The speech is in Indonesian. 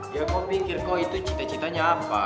ya kok pikir kok itu cita citanya apa